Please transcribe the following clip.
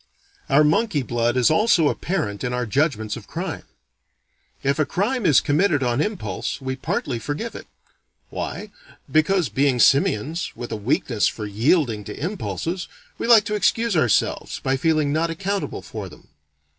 Our monkey blood is also apparent in our judgments of crime. If a crime is committed on impulse, we partly forgive it. Why? Because, being simians, with a weakness for yielding to impulses, we like to excuse ourselves by feeling not accountable for them.